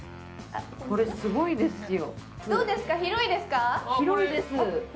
これ、すごいですよ。